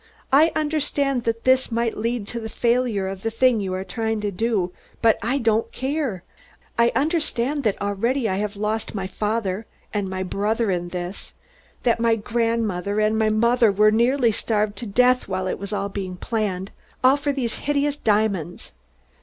"I understand that this might lead to the failure of the thing you are trying to do. But I don't care. I understand that already I have lost my father and my brother in this; that my grandmother and my mother were nearly starved to death while it was all being planned; all for these hideous diamonds.